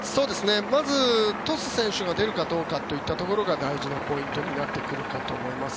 まず、トス選手が出るかどうかといったところが大事なポイントになってくるかと思います。